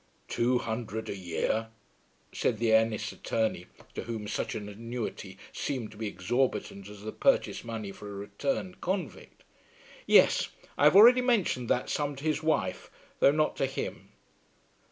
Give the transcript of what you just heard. "Two hundred a year!" said the Ennis attorney, to whom such an annuity seemed to be exorbitant as the purchase money for a returned convict. "Yes; I have already mentioned that sum to his wife, though not to him."